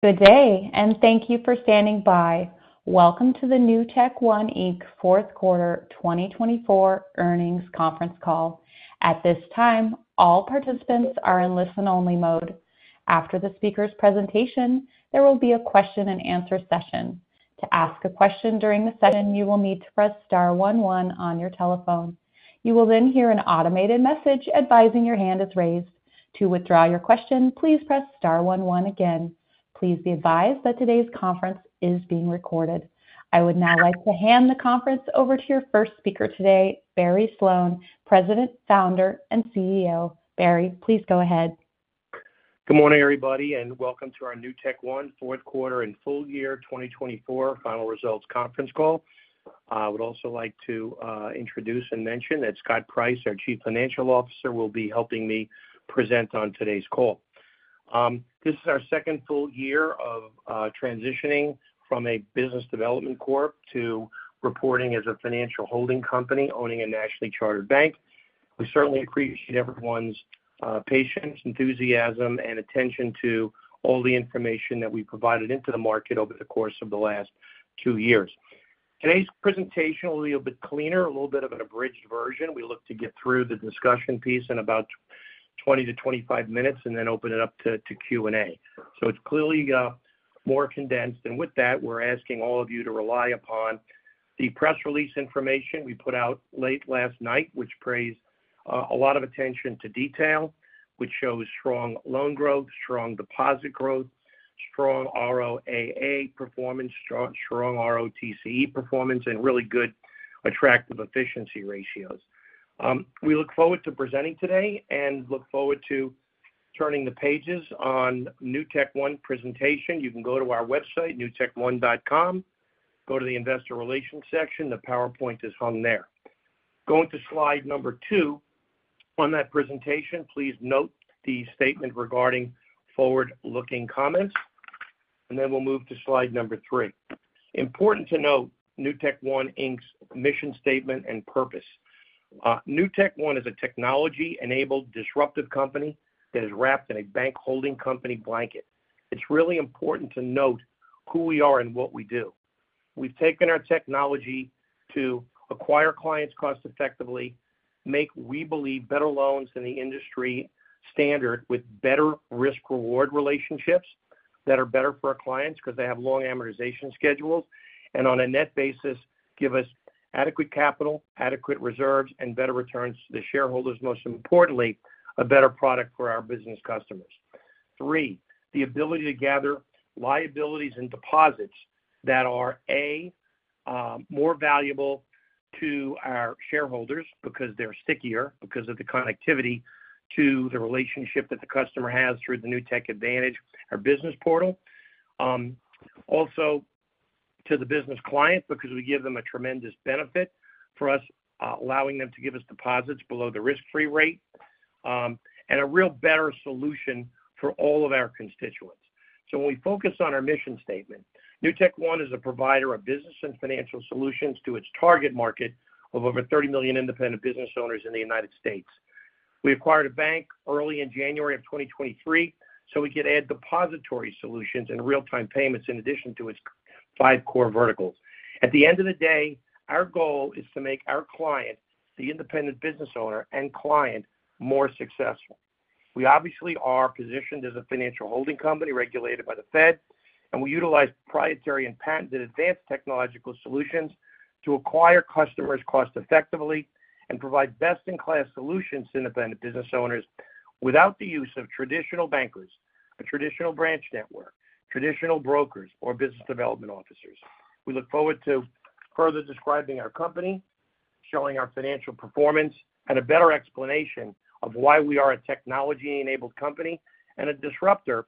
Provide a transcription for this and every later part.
Good day, and thank you for standing by. Welcome to the NewtekOne Inc Q4 2024 Earnings Conference Call. At this time, all participants are in listen-only mode. After the speaker's presentation, there will be Q&A session. To ask a question during the session, you will need to press star 11 on your telephone. You will then hear an automated message advising your hand is raised. To withdraw your question, please press star 11 again. Please be advised that today's conference is being recorded. I would now like to hand the conference over to your first speaker today, Barry Sloane, President, Founder, and CEO. Barry, please go ahead. Good morning, everybody, and welcome to our NewtekOne Q4 and Full Year 2024 Final Results Conference Call. I would also like to introduce and mention that Scott Price, our Chief Financial Officer, will be helping me present on today's call. This is our second full year of transitioning from a business development corp to reporting as a financial holding company owning a nationally chartered bank. We certainly appreciate everyone's patience, enthusiasm, and attention to all the information that we provided into the market over the course of the last two years. Today's presentation will be a bit cleaner, a little bit of an abridged version. We look to get through the discussion piece in about 20-25 minutes and then open it up to Q&A. So it's clearly more condensed. With that, we're asking all of you to rely upon the press release information we put out late last night, which pays a lot of attention to detail, which shows strong loan growth, strong deposit growth, strong ROAA performance, strong ROTCE performance, and really good attractive efficiency ratios. We look forward to presenting today and look forward to turning the pages on NewtekOne presentation. You can go to our website, newtekone.com, go to the investor relations section. The PowerPoint is hung there. Going to slide number two on that presentation, please note the statement regarding forward-looking comments. Then we'll move to slide number three. Important to note NewtekOne Inc's mission statement and purpose. NewtekOne is a technology-enabled disruptive company that is wrapped in a bank holding company blanket. It's really important to note who we are and what we do. We've taken our technology to acquire clients cost-effectively, make, we believe, better loans than the industry standard with better risk-reward relationships that are better for our clients because they have long amortization schedules, and on a net basis, give us adequate capital, adequate reserves, and better returns to the shareholders, most importantly, a better product for our business customers. Three, the ability to gather liabilities and deposits that are a, more valuable to our shareholders because they're stickier because of the connectivity to the relationship that the customer has through the Newtek Advantage or business portal. Also, to the business client because we give them a tremendous benefit for us allowing them to give us deposits below the risk-free rate and a real better solution for all of our constituents. So when we focus on our mission statement, NewtekOne is a provider of business and financial solutions to its target market of over 30 million independent business owners in the United States. We acquired a bank early in January of 2023 so we could add depository solutions and real-time payments in addition to its five core verticals. At the end of the day, our goal is to make our client, the independent business owner and client, more successful. We obviously are positioned as a financial holding company regulated by the Fed, and we utilize proprietary and patented advanced technological solutions to acquire customers cost-effectively and provide best-in-class solutions to independent business owners without the use of traditional bankers, a traditional branch network, traditional brokers, or business development officers. We look forward to further describing our company, showing our financial performance, and a better explanation of why we are a technology-enabled company and a disruptor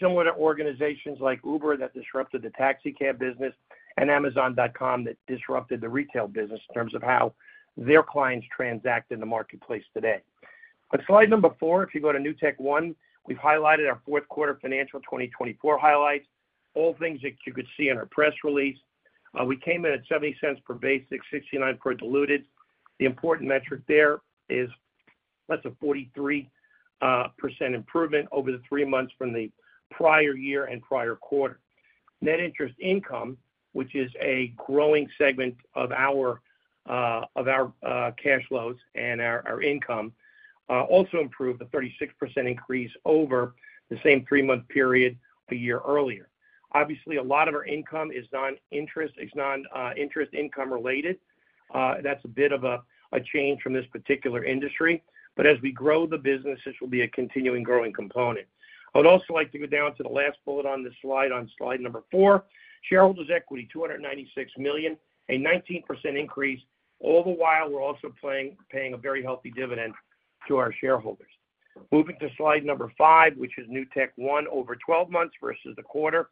similar to organizations like Uber that disrupted the taxi cab business and Amazon.com that disrupted the retail business in terms of how their clients transact in the marketplace today. On slide number four, if you go to NewtekOne, we've highlighted our Q4 financial 2024 highlights, all things that you could see in our press release. We came in at $0.70 per basic, $0.69 per diluted. The important metric there is that's a 43% improvement over the three months from the prior year and prior quarter. Net interest income, which is a growing segment of our cash flows and our income, also improved a 36% increase over the same three-month period a year earlier. Obviously, a lot of our income is non-interest income related. That's a bit of a change from this particular industry. But as we grow the business, this will be a continuing growing component. I would also like to go down to the last bullet on this slide on slide number four, shareholders' equity, $296 million, a 19% increase. All the while, we're also paying a very healthy dividend to our shareholders. Moving to slide number five, which is NewtekOne over 12 months versus a quarter.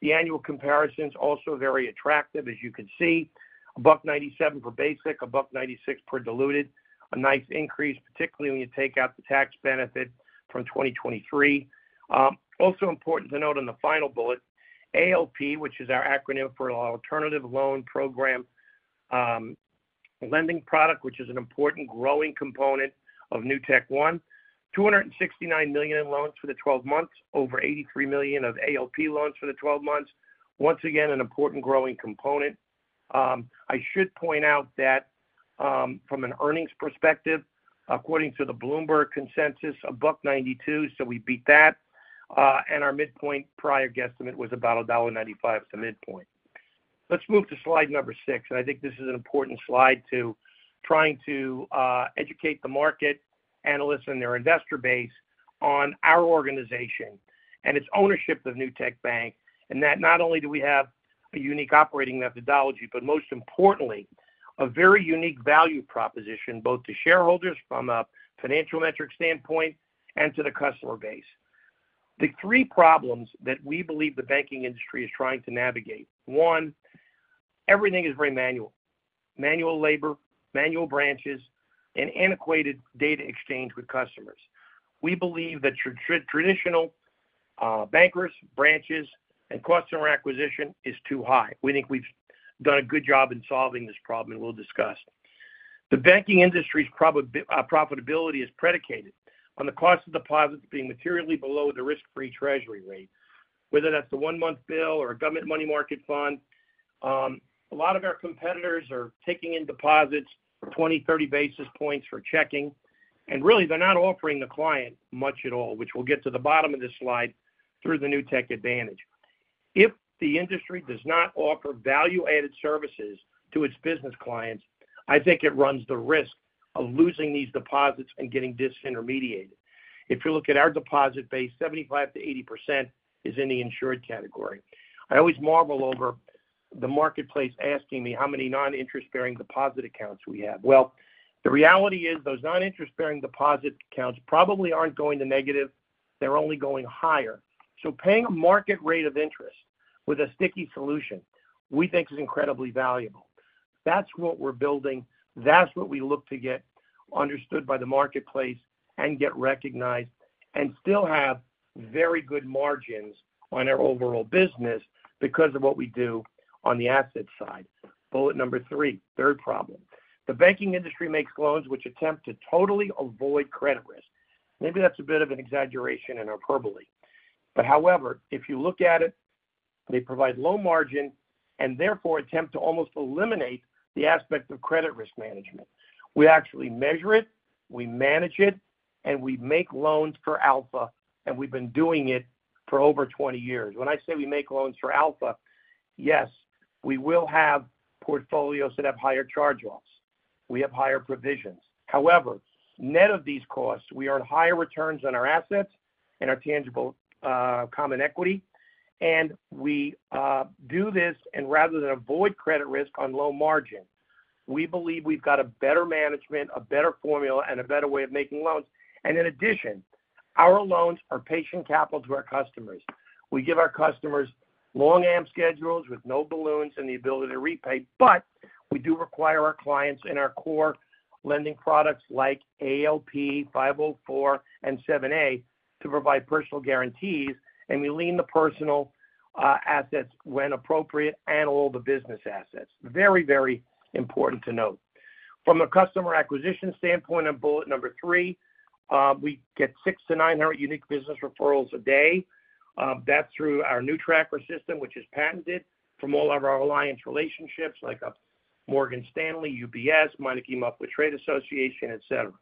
The annual comparison is also very attractive, as you can see. Above $97 per basic, above $96 per diluted, a nice increase, particularly when you take out the tax benefit from 2023. Also important to note on the final bullet, ALP, which is our acronym for Alternative Loan Program Lending Product, which is an important growing component of NewtekOne. $269 million in loans for the 12 months over $83 million of ALP loans for the 12 months. Once again, an important growing component. I should point out that from an earnings perspective, according to the Bloomberg consensus, above $0.92, so we beat that. And our midpoint prior guesstimate was about $1.95 to midpoint. Let's move to slide number six. And I think this is an important slide to trying to educate the market analysts and their investor base on our organization and its ownership of Newtek Bank, and that not only do we have a unique operating methodology, but most importantly, a very unique value proposition both to shareholders from a financial metric standpoint and to the customer base. The three problems that we believe the banking industry is trying to navigate. One, everything is very manual. Manual labor, manual branches, and antiquated data exchange with customers. We believe that traditional bankers, branches, and customer acquisition is too high. We think we've done a good job in solving this problem, and we'll discuss. The banking industry's profitability is predicated on the cost of deposits being materially below the risk-free Treasury rate, whether that's the one-month bill or a government money market fund. A lot of our competitors are taking in deposits for 20, 30 basis points for checking. And really, they're not offering the client much at all, which we'll get to the bottom of this slide through the Newtek Advantage. If the industry does not offer value-added services to its business clients, I think it runs the risk of losing these deposits and getting disintermediated. If you look at our deposit base, 75%-80% is in the insured category. I always marvel over the marketplace asking me how many non-interest-bearing deposit accounts we have. The reality is those non-interest-bearing deposit accounts probably aren't going to negative. They're only going higher. So paying a market rate of interest with a sticky solution, we think is incredibly valuable. That's what we're building. That's what we look to get understood by the marketplace and get recognized and still have very good margins on our overall business because of what we do on the asset side. Bullet number three, third problem. The banking industry makes loans which attempt to totally avoid credit risk. Maybe that's a bit of an exaggeration and a verbally. But however, if you look at it, they provide low margin and therefore attempt to almost eliminate the aspect of credit risk management. We actually measure it, we manage it, and we make loans for alpha, and we've been doing it for over 20 years. When I say we make loans for ALP, yes, we will have portfolios that have higher charge-offs. We have higher provisions. However, net of these costs, we earn higher returns on our assets and our tangible common equity. And we do this, and rather than avoid credit risk on low margin, we believe we've got a better management, a better formula, and a better way of making loans. And in addition, our loans are patient capital to our customers. We give our customers long-am schedules with no balloons and the ability to repay, but we do require our clients in our core lending products like ALP, 504, and 7(a) to provide personal guarantees, and we lien the personal assets when appropriate and all the business assets. Very, very important to note. From a customer acquisition standpoint on bullet number three, we get six to nine hundred unique business referrals a day. That's through our NewTracker system, which is patented from all of our alliance relationships like Morgan Stanley, UBS, trade associations, etc.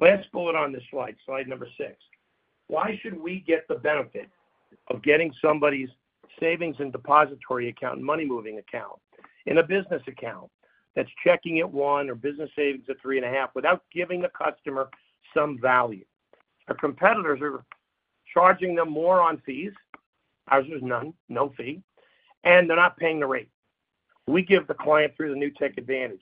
Last bullet on this slide, slide number six. Why should we get the benefit of getting somebody's savings and depository account, money-moving account, in a business account that's checking at one or business savings at three and a half without giving the customer some value? Our competitors are charging them more on fees. Ours is none, no fee, and they're not paying the rate. We give the client through the Newtek Advantage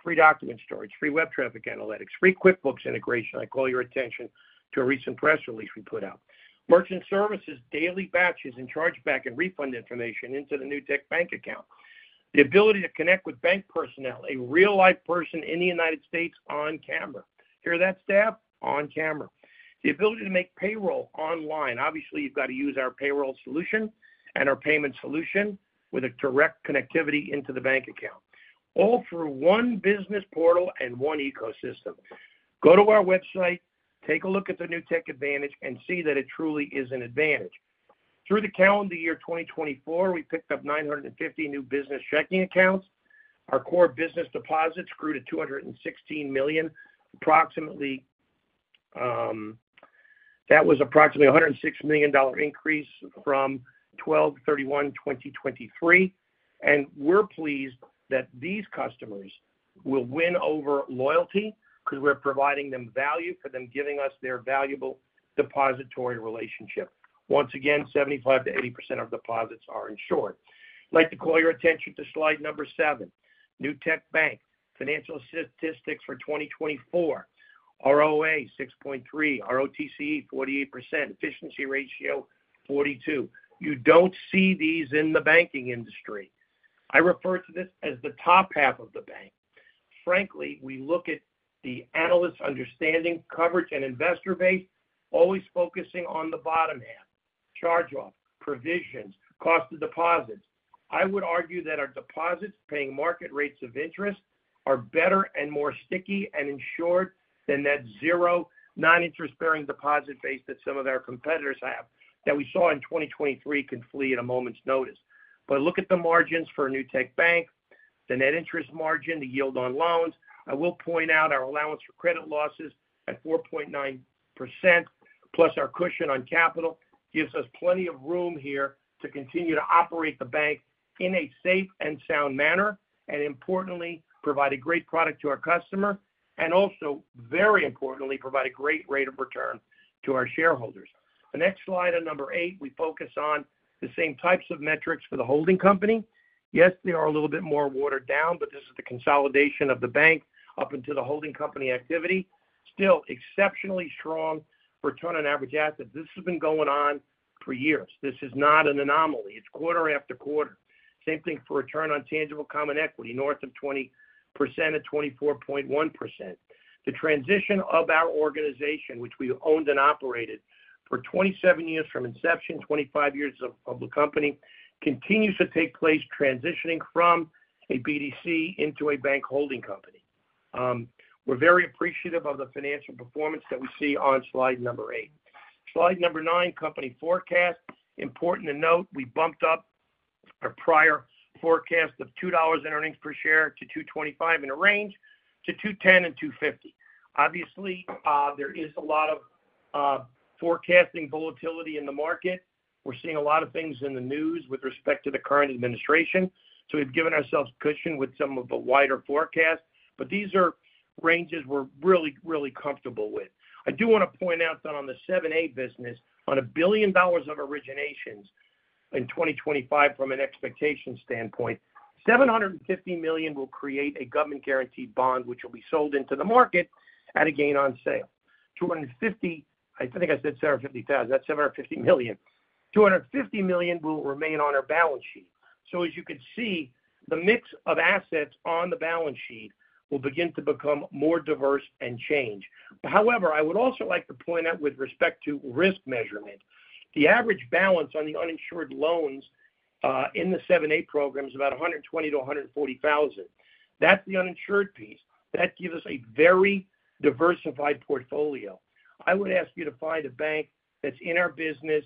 free document storage, free web traffic analytics, free QuickBooks integration. I call your attention to a recent press release we put out. Merchant services, daily batches and chargeback and refund information into the Newtek Bank account. The ability to connect with bank personnel, a real-life person in the United States on camera. Hear that, staff? On camera. The ability to make payroll online. Obviously, you've got to use our payroll solution and our payment solution with a direct connectivity into the bank account. All through one business portal and one ecosystem. Go to our website, take a look at the Newtek Advantage and see that it truly is an advantage. Through the calendar year 2024, we picked up 950 new business checking accounts. Our core business deposits grew to $216 million. That was approximately a $106 million increase from 12/31/2023, and we're pleased that these customers will win over loyalty because we're providing them value for them giving us their valuable depository relationship. Once again, 75%-80% of deposits are insured. I'd like to call your attention to slide number seven, Newtek Bank financial statistics for 2024, ROA 6.3%, ROTCE 48%, efficiency ratio 42%. You don't see these in the banking industry. I refer to this as the top half of the bank. Frankly, we look at the analyst understanding, coverage, and investor base, always focusing on the bottom half, charge-off, provisions, cost of deposits. I would argue that our deposits paying market rates of interest are better and more sticky and insured than that zero non-interest-bearing deposit base that some of our competitors have that we saw in 2023 can flee at a moment's notice. But look at the margins for Newtek Bank, the net interest margin, the yield on loans. I will point out our allowance for credit losses at 4.9% plus our cushion on capital gives us plenty of room here to continue to operate the bank in a safe and sound manner and, importantly, provide a great product to our customer and also, very importantly, provide a great rate of return to our shareholders. The next slide on number eight, we focus on the same types of metrics for the holding company. Yes, they are a little bit more watered down, but this is the consolidation of the bank up into the holding company activity. Still exceptionally strong return on average assets. This has been going on for years. This is not an anomaly. It's quarter after quarter. Same thing for return on tangible common equity, north of 20% at 24.1%. The transition of our organization, which we owned and operated for 27 years from inception, 25 years of the company, continues to take place transitioning from a BDC into a bank holding company. We're very appreciative of the financial performance that we see on slide number eight. Slide number nine, company forecast. Important to note, we bumped up our prior forecast of $2 in earnings per share to $2.25 and a range to $2.10 and $2.50. Obviously, there is a lot of forecasting volatility in the market. We're seeing a lot of things in the news with respect to the current administration. So we've given ourselves cushion with some of the wider forecast, but these are ranges we're really, really comfortable with. I do want to point out that on the 7(a) business, on $1 billion of originations in 2025 from an expectation standpoint, $750 million will create a government-guaranteed bond, which will be sold into the market at a gain on sale. $250, I think I said 750,000. That's $750 million. $250 million will remain on our balance sheet. So as you can see, the mix of assets on the balance sheet will begin to become more diverse and change. However, I would also like to point out with respect to risk measurement, the average balance on the uninsured loans in the 7(a) program is about $120,000-$140,000. That's the uninsured piece. That gives us a very diversified portfolio. I would ask you to find a bank that's in our business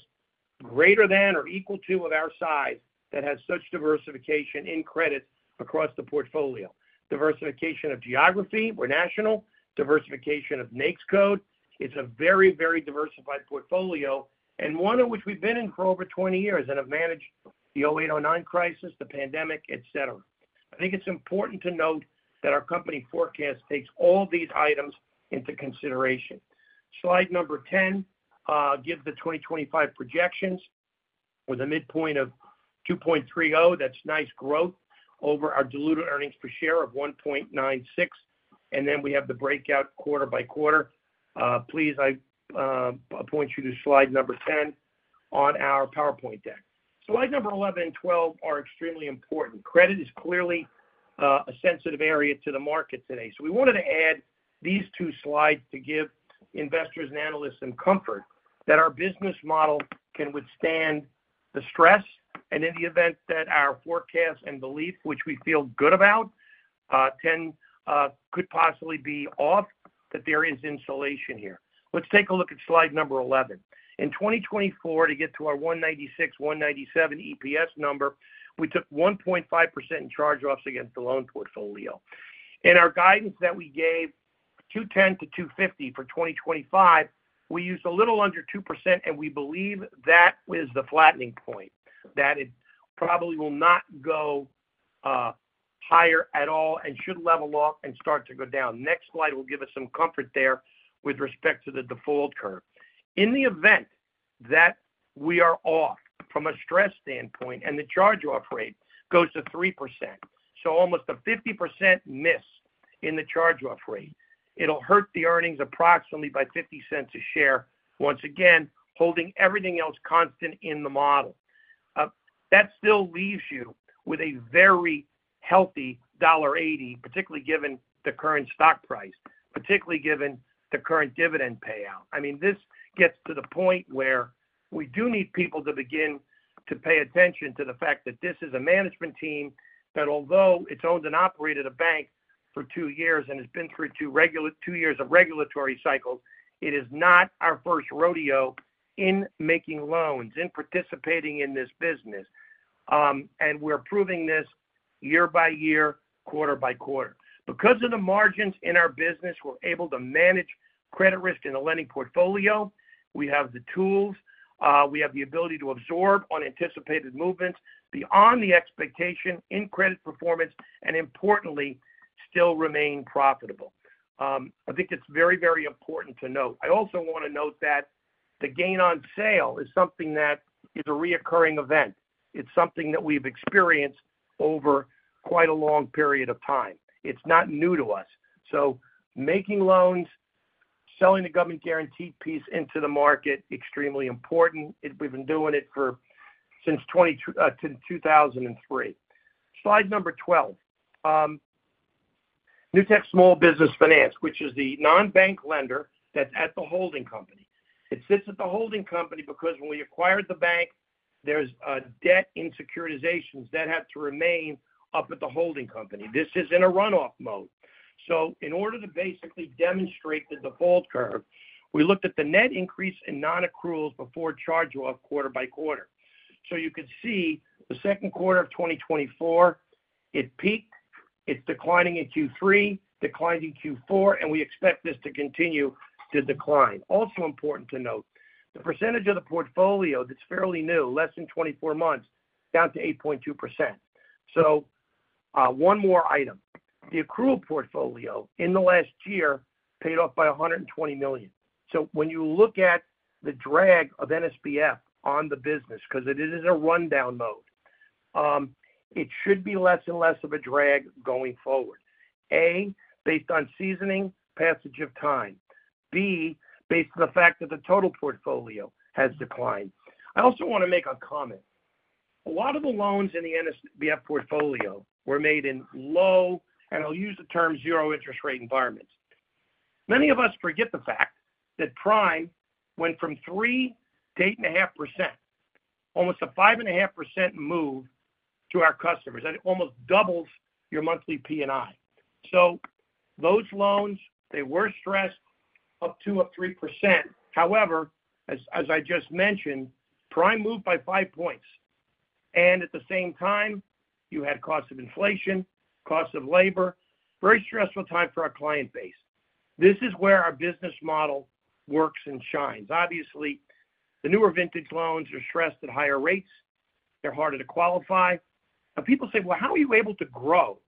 greater than or equal to of our size that has such diversification in credits across the portfolio. Diversification of geography, we're national. Diversification of NAICS code. It's a very, very diversified portfolio, and one in which we've been in for over 20 years and have managed the 2008-2009 crisis, the pandemic, etc. I think it's important to note that our company forecast takes all these items into consideration. Slide number 10 gives the 2025 projections with a midpoint of 2.30. That's nice growth over our diluted earnings per share of 1.96, and then we have the breakout quarter by quarter. Please, I point you to slide number 10 on our PowerPoint deck. Slide number 11 and 12 are extremely important. Credit is clearly a sensitive area to the market today. So we wanted to add these two slides to give investors and analysts some comfort that our business model can withstand the stress. In the event that our forecasts and belief, which we feel good about, could possibly be off, that there is insulation here. Let's take a look at slide number 11. In 2024, to get to our $1.96-$1.97 EPS number, we took 1.5% in charge-offs against the loan portfolio. In our guidance that we gave, $2.10-$2.50 for 2025, we used a little under 2%, and we believe that is the flattening point, that it probably will not go higher at all and should level off and start to go down. Next slide will give us some comfort there with respect to the default curve. In the event that we are off from a stress standpoint and the charge-off rate goes to 3%, so almost a 50% miss in the charge-off rate, it'll hurt the earnings approximately by $0.50 a share. Once again, holding everything else constant in the model, that still leaves you with a very healthy $80, particularly given the current stock price, particularly given the current dividend payout. I mean, this gets to the point where we do need people to begin to pay attention to the fact that this is a management team that, although it's owned and operated a bank for two years and has been through two years of regulatory cycles, it is not our first rodeo in making loans, in participating in this business, and we're proving this year by year, quarter by quarter. Because of the margins in our business, we're able to manage credit risk in the lending portfolio. We have the tools. We have the ability to absorb unanticipated movements beyond the expectation in credit performance and, importantly, still remain profitable. I think it's very, very important to note. I also want to note that the gain on sale is something that is a recurring event. It's something that we've experienced over quite a long period of time. It's not new to us. So making loans, selling the government-guaranteed piece into the market, extremely important. We've been doing it since 2003. Slide number 12. Newtek Small Business Finance, which is the non-bank lender that's at the holding company. It sits at the holding company because when we acquired the bank, there's a debt in securitizations that have to remain up at the holding company. This is in a runoff mode. So in order to basically demonstrate the default curve, we looked at the net increase in non-accruals before charge-off quarter by quarter. So you could see the Q2 of 2024, it peaked. It's declining in Q3, declines in Q4, and we expect this to continue to decline. Also important to note, the percentage of the portfolio that's fairly new, less than 24 months, down to 8.2%. One more item. The accrual portfolio in the last year paid off by $120 million. When you look at the drag of NSBF on the business, because it is in a rundown mode, it should be less and less of a drag going forward. A, based on seasoning, passage of time. B, based on the fact that the total portfolio has declined. I also want to make a comment. A lot of the loans in the NSBF portfolio were made in low, and I'll use the term zero interest rate environments. Many of us forget the fact that Prime went from 3 to 8.5%, almost a 5.5% move to our customers. That almost doubles your monthly P&I. Those loans, they were stressed up to a 3%. However, as I just mentioned, Prime moved by five points. And at the same time, you had cost of inflation, cost of labor, very stressful time for our client base. This is where our business model works and shines. Obviously, the newer vintage loans are stressed at higher rates. They're harder to qualify. And people say, "Well, how are you able to grow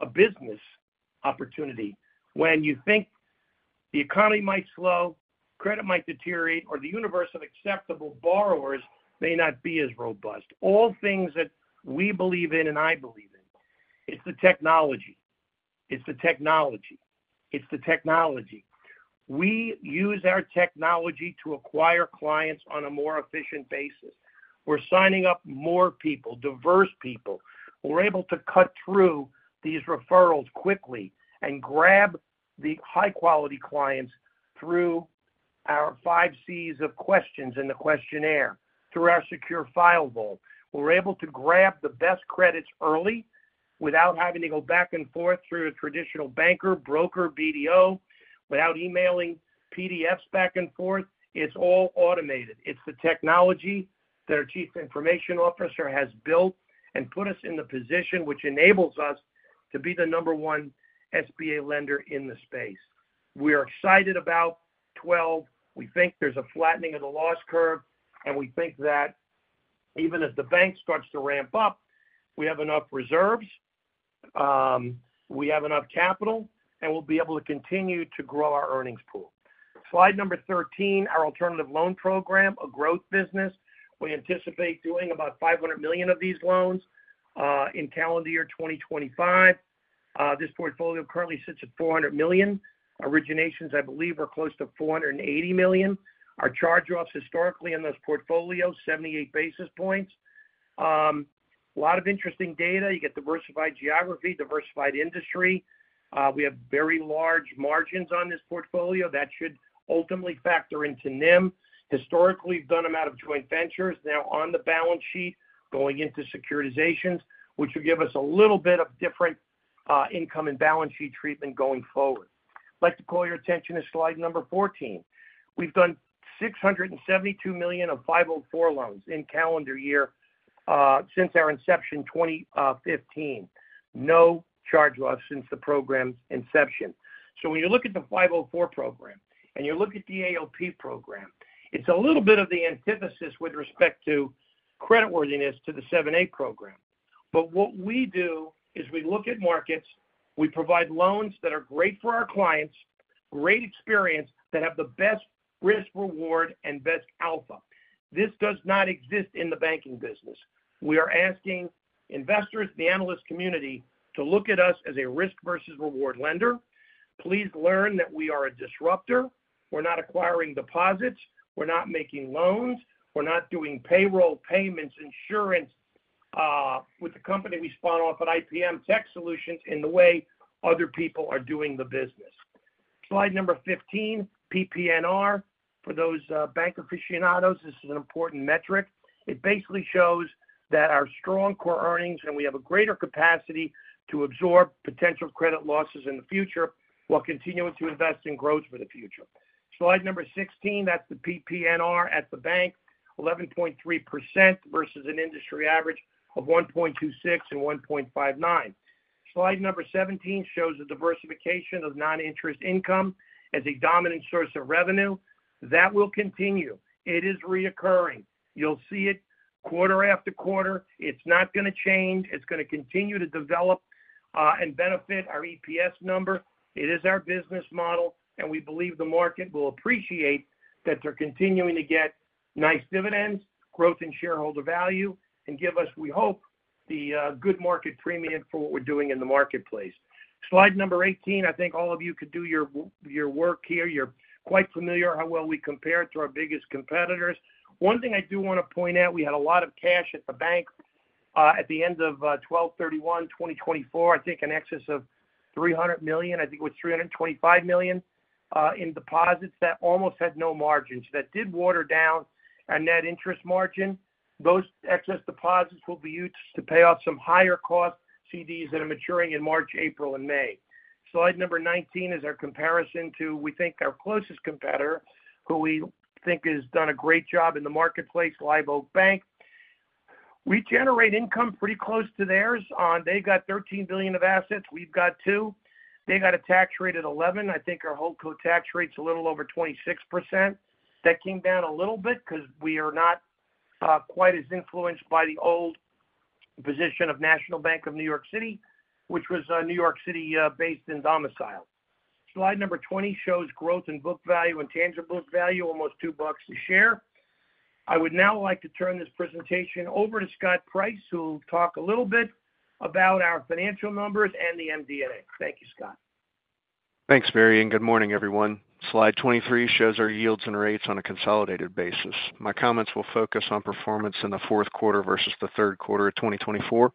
a business opportunity when you think the economy might slow, credit might deteriorate, or the universe of acceptable borrowers may not be as robust?" All things that we believe in and I believe in. It's the technology. It's the technology. It's the technology. We use our technology to acquire clients on a more efficient basis. We're signing up more people, diverse people. We're able to cut through these referrals quickly and grab the high-quality clients through our five Cs of questions in the questionnaire, through our secure file vault. We're able to grab the best credits early without having to go back and forth through a traditional banker, broker, BDO, without emailing PDFs back and forth. It's all automated. It's the technology that our Chief Information Officer has built and put us in the position which enables us to be the number one SBA lender in the space. We are excited about 12. We think there's a flattening of the loss curve, and we think that even as the bank starts to ramp up, we have enough reserves, we have enough capital, and we'll be able to continue to grow our earnings pool. Slide number 13, our Alternative Loan Program, a growth business. We anticipate doing about $500 million of these loans in calendar year 2025. This portfolio currently sits at $400 million. Originations, I believe, are close to $480 million. Our charge-offs historically in those portfolios, 78 basis points. A lot of interesting data. You get diversified geography, diversified industry. We have very large margins on this portfolio. That should ultimately factor into NIM. Historically, we've done them out of joint ventures. Now on the balance sheet, going into securitizations, which will give us a little bit of different income and balance sheet treatment going forward. I'd like to call your attention to slide number 14. We've done $672 million of 504 loans in calendar year since our inception 2015. No charge-offs since the program's inception. So when you look at the 504 program and you look at the ALP program, it's a little bit of the antithesis with respect to creditworthiness to the 7(a) program. But what we do is we look at markets. We provide loans that are great for our clients, great experience that have the best risk-reward and best alpha. This does not exist in the banking business. We are asking investors, the analyst community, to look at us as a risk versus reward lender. Please learn that we are a disrupter. We're not acquiring deposits. We're not making loans. We're not doing payroll payments, insurance with the company we spun off at IPM Tech Solutions in the way other people are doing the business. Slide number 15, PPNR. For those bank aficionados, this is an important metric. It basically shows that our strong core earnings and we have a greater capacity to absorb potential credit losses in the future while continuing to invest in growth for the future. Slide number 16, that's the PPNR at the bank, 11.3% versus an industry average of 1.26% and 1.59%. Slide number 17 shows the diversification of non-interest income as a dominant source of revenue. That will continue. It is recurring. You'll see it quarter after quarter. It's not going to change. It's going to continue to develop and benefit our EPS number. It is our business model, and we believe the market will appreciate that they're continuing to get nice dividends, growth in shareholder value, and give us, we hope, the good market premium for what we're doing in the marketplace. Slide number 18, I think all of you could do your work here. You're quite familiar how well we compare to our biggest competitors. One thing I do want to point out, we had a lot of cash at the bank at the end of December 31, 2024. I think an excess of $300 million. I think it was $325 million in deposits that almost had no margins that did water down our net interest margin. Those excess deposits will be used to pay off some higher cost CDs that are maturing in March, April, and May. Slide 19 is our comparison to, we think, our closest competitor, who we think has done a great job in the marketplace, Live Oak Bank. We generate income pretty close to theirs. They've got $13 billion of assets. We've got $2 billion. They've got a tax rate of 11%. I think our holding co. tax rate's a little over 26%. That came down a little bit because we are not quite as influenced by the old position of National Bank of New York City, which was a New York City-based in domicile. Slide number 20 shows growth in book value and tangible book value, almost $2 a share. I would now like to turn this presentation over to Scott Price, who will talk a little bit about our financial numbers and the MD&A. Thank you, Scott. Thanks, Barry. Good morning, everyone. Slide 23 shows our yields and rates on a consolidated basis. My comments will focus on performance in the Q4 versus the third quarter of 2024.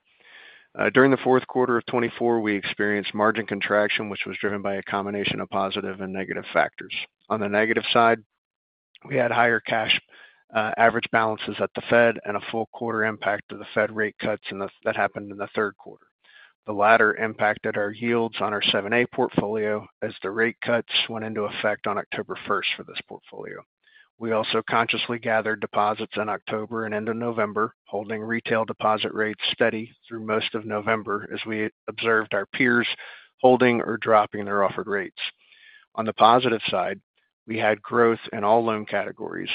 During the Q4 of 2024, we experienced margin contraction, which was driven by a combination of positive and negative factors. On the negative side, we had higher cash average balances at the Fed and a full quarter impact of the Fed rate cuts that happened in the third quarter. The latter impacted our yields on our 7(a) portfolio as the rate cuts went into effect on October 1st for this portfolio. We also consciously gathered deposits in October and into November, holding retail deposit rates steady through most of November as we observed our peers holding or dropping their offered rates. On the positive side, we had growth in all loan categories,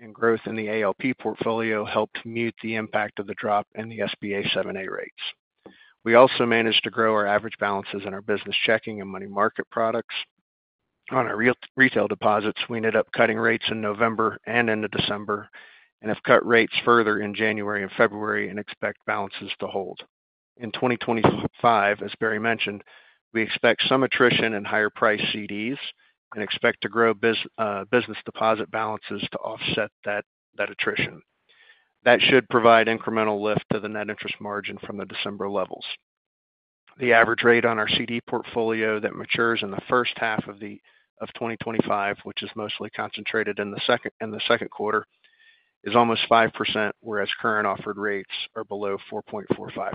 and growth in the ALP portfolio helped mute the impact of the drop in the SBA 7(a) rates. We also managed to grow our average balances in our business checking and money market products. On our retail deposits, we ended up cutting rates in November and into December and have cut rates further in January and February and expect balances to hold. In 2025, as Barry mentioned, we expect some attrition in higher price CDs and expect to grow business deposit balances to offset that attrition. That should provide incremental lift to the net interest margin from the December levels. The average rate on our CD portfolio that matures in the first half of 2025, which is mostly concentrated in the Q2, is almost 5%, whereas current offered rates are below 4.45%.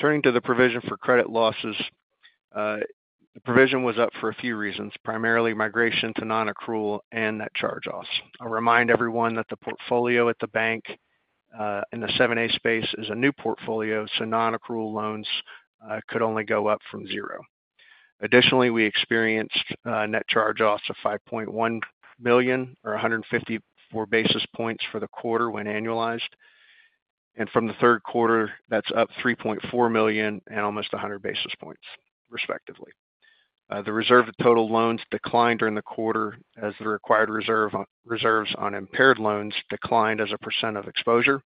Turning to the provision for credit losses, the provision was up for a few reasons, primarily migration to non-accrual and net charge-offs. I'll remind everyone that the portfolio at the bank in the 7(a) space is a new portfolio, so non-accrual loans could only go up from zero. Additionally, we experienced net charge-offs of $5.1 million or 154 basis points for the quarter when annualized, and from the third quarter, that's up $3.4 million and almost 100 basis points, respectively. The reserve of total loans declined during the quarter as the required reserves on impaired loans declined as a % of exposure.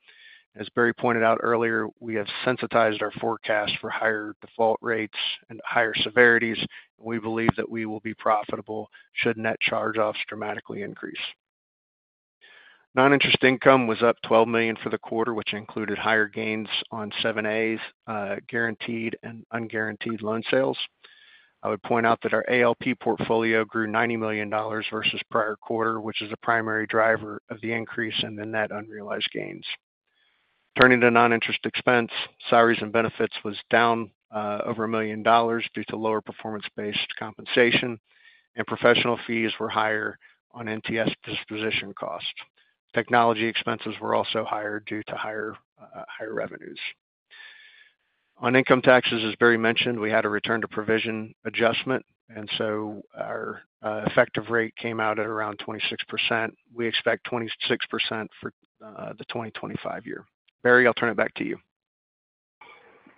As Barry pointed out earlier, we have sensitized our forecast for higher default rates and higher severities, and we believe that we will be profitable should net charge-offs dramatically increase. Non-interest income was up $12 million for the quarter, which included higher gains on 7(a)'s guaranteed and unguaranteed loan sales. I would point out that our ALP portfolio grew $90 million versus prior quarter, which is a primary driver of the increase in the net unrealized gains. Turning to non-interest expense, salaries and benefits was down over $1 million due to lower performance-based compensation, and professional fees were higher on NSBF disposition costs. Technology expenses were also higher due to higher revenues. On income taxes, as Barry mentioned, we had a return to provision adjustment, and so our effective rate came out at around 26%. We expect 26% for the 2025 year. Barry, I'll turn it back to you.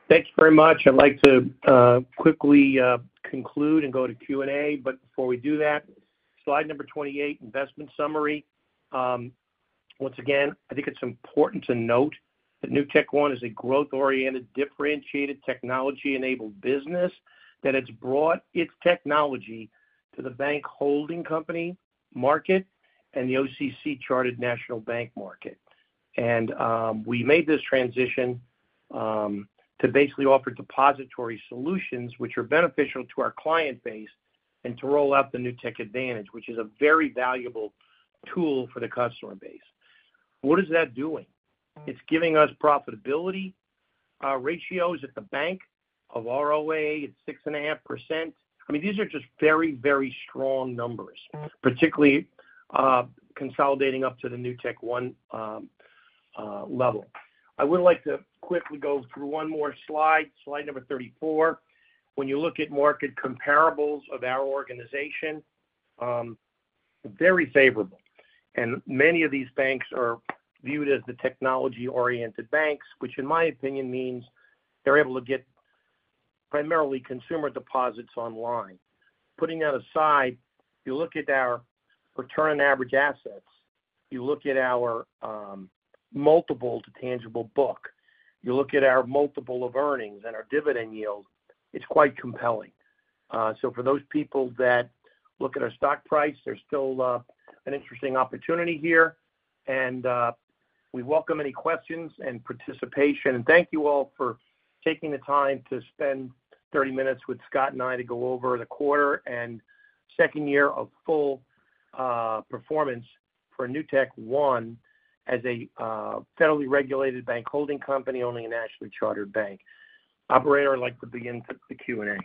Thank you very much. I'd like to quickly conclude and go to Q&A, but before we do that, slide 28, investment summary. Once again, I think it's important to note that NewtekOne is a growth-oriented, differentiated technology-enabled business that has brought its technology to the bank holding company market and the OCC Chartered National Bank market. We made this transition to basically offer depository solutions, which are beneficial to our client base, and to roll out the Newtek Advantage, which is a very valuable tool for the customer base. What is that doing? It's giving us profitability ratios at the bank of ROA at 6.5%. I mean, these are just very, very strong numbers, particularly consolidating up to the NewtekOne level. I would like to quickly go through one more slide, slide number 34. When you look at market comparables of our organization, very favorable. Many of these banks are viewed as the technology-oriented banks, which in my opinion means they're able to get primarily consumer deposits online. Putting that aside, you look at our return on average assets, you look at our multiple to tangible book, you look at our multiple of earnings and our dividend yield. It's quite compelling. So for those people that look at our stock price, there's still an interesting opportunity here. And we welcome any questions and participation. And thank you all for taking the time to spend 30 minutes with Scott and I to go over the quarter and second year of full performance for NewtekOne as a federally regulated bank holding company only and nationally chartered bank. Operator, I'd like to begin the Q&A.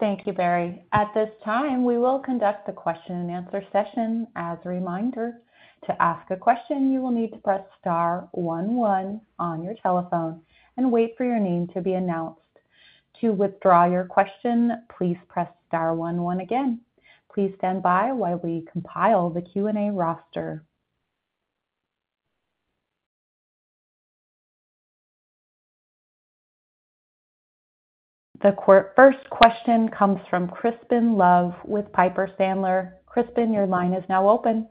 Thank you, Barry. At this time, we will conduct the question-and-answer session. As a reminder, to ask a question, you will need to press star 11 on your telephone and wait for your name to be announced. To withdraw your question, please press star 11 again. Please stand by while we compile the Q&A roster. The first question comes from Crispin Love with Piper Sandler. Crispin, your line is now open.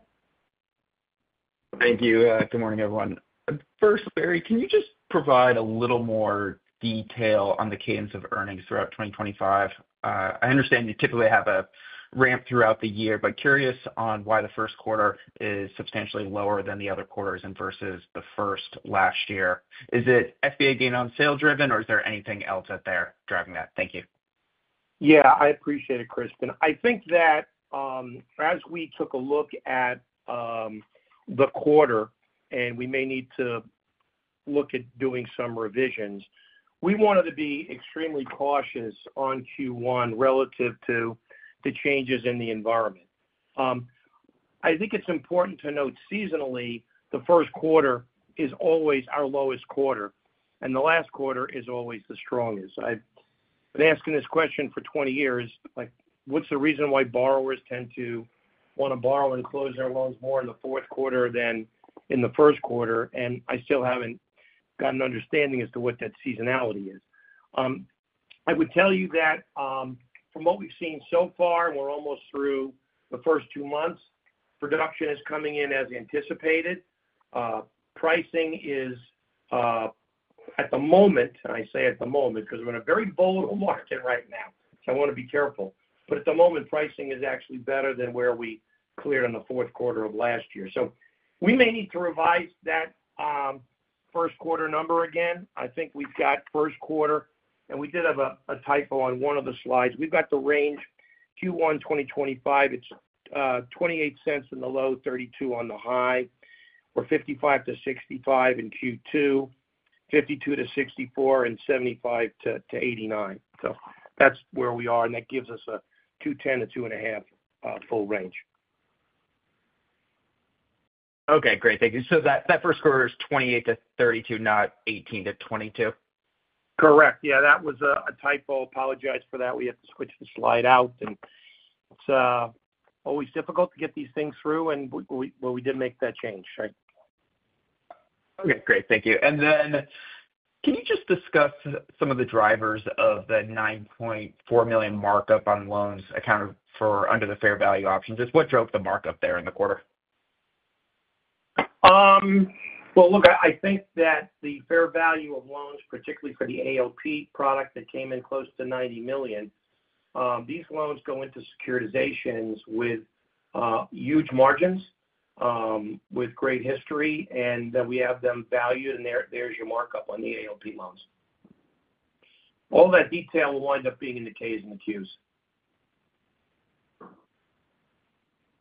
Thank you. Good morning, everyone. First, Barry, can you just provide a little more detail on the cadence of earnings throughout 2025? I understand you typically have a ramp throughout the year, but curious on why the Q1 is substantially lower than the other quarters versus the first last year. Is it SBA gain on sale driven, or is there anything else out there driving that? Thank you. Yeah, I appreciate it, Crispin. I think that as we took a look at the quarter, and we may need to look at doing some revisions, we wanted to be extremely cautious on Q1 relative to the changes in the environment. I think it's important to note, seasonally, the Q1 is always our lowest quarter, and the last quarter is always the strongest. I've been asking this question for 20 years. What's the reason why borrowers tend to want to borrow and close their loans more in the Q4 than in the Q1? And I still haven't got an understanding as to what that seasonality is. I would tell you that from what we've seen so far, and we're almost through the first two months, production is coming in as anticipated. Pricing is, at the moment, and I say at the moment because we're in a very volatile market right now, so I want to be careful. But at the moment, pricing is actually better than where we cleared in the Q4 of last year. So we may need to revise that Q1 number again. I think we've got Q1, and we did have a typo on one of the slides. We've got the range Q1 2025. It's $0.28 in the low, $0.32 on the high. We're $0.55-$0.65 in Q2, $0.52-$0.64, and $0.75-$0.89. So that's where we are, and that gives us a $2.10-$2.50 full range. Okay, great. Thank you. So that Q1 is $0.28-$0.32, not $0.18-$0.22? Correct. Yeah, that was a typo. Apologize for that. We had to switch the slide out. And it's always difficult to get these things through, and we did make that change. Okay, great. Thank you. And then can you just discuss some of the drivers of the $9.4 million markup on loans accounted for under the fair value option? Just what drove the markup there in the quarter? Well, look, I think that the fair value of loans, particularly for the ALP product that came in close to $90 million, these loans go into securitizations with huge margins, with great history, and that we have them valued, and there's your markup on the ALP loans. All that detail will wind up being in the Ks and the Qs.